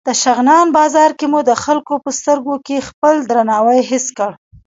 د شغنان بازار کې مو د خلکو په سترګو کې خپل درناوی حس کړ.